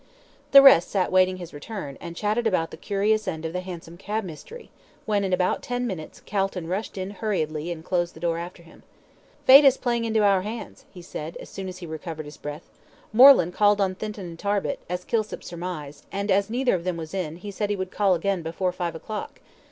The rest sat waiting his return, and chatted about the curious end of the hansom cab mystery, when, in about ten minutes, Calton rushed in hurriedly and closed the door after him quickly. "Fate is playing into our hands," he said, as soon as he recovered his breath. "Moreland called on Thinton and Tarbit, as Kilsip surmised, and as neither of them was in, he said he would call again before five o'clock.